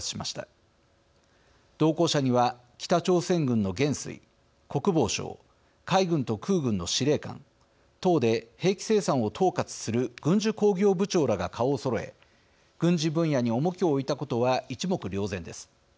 同行者には北朝鮮軍の元帥国防相海軍と空軍の司令官党で兵器生産を統括する軍需工業部長らが顔をそろえ軍事分野に重きを置いたことは一目瞭然です。